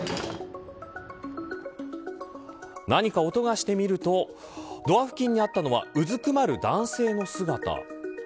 何か音がしてみるとドア付近にあったのはうずくまる男性の姿。